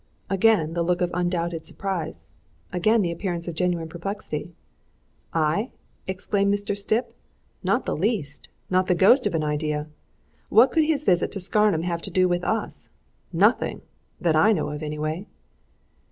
Again the look of undoubted surprise; again the appearance of genuine perplexity. "I?" exclaimed Mr. Stipp. "Not the least! Not the ghost of an idea! What could his visit to Scarnham have to do with us? Nothing! that I know of, anyway."